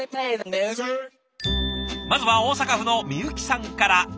まずは大阪府のみゆきさんから。